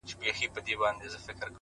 پوهه د محدود فکر پولې نړوي.